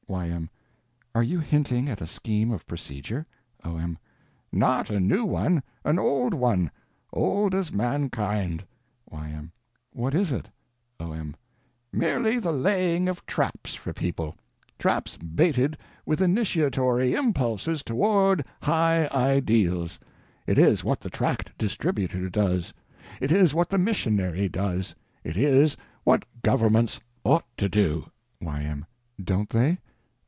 Y.M. Are you hinting at a scheme of procedure? O.M. Not a new one—an old one. Old as mankind. Y.M. What is it? O.M. Merely the laying of traps for people. Traps baited with _initiatory impulses toward high ideals. _It is what the tract distributor does. It is what the missionary does. It is what governments ought to do. Y.M. Don't they?